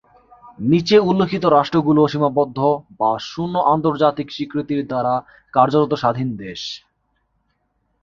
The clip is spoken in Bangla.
নিচে উল্লিখিত রাষ্ট্রগুলো সীমাবদ্ধ বা শুন্য আন্তর্জাতিক স্বীকৃতির দ্বারা কার্যত স্বাধীন দেশ।